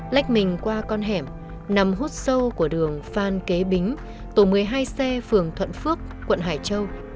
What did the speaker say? lách mình qua con hẻm nằm hút sâu của đường phan kế bính tổ một mươi hai c phường thuận phước quận hải châu